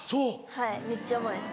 はいめっちゃ重いです。